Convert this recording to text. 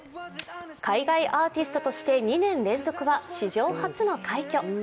海外アーティストとして２年連続は史上初の快挙。